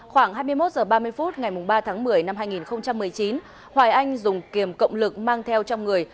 khoảng hai mươi một h ba mươi phút ngày ba tháng một mươi năm hai nghìn một mươi chín hoài anh dùng kiềm cộng lực mang theo trong người